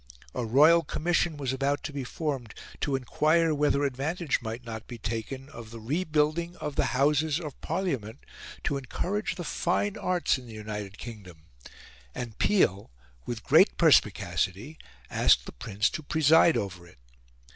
A royal commission was about to be formed to enquire whether advantage might not be taken of the rebuilding of the Houses of Parliament to encourage the Fine Arts in the United Kingdom; and Peel, with great perspicacity, asked the Prince to preside over it.